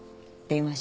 電話。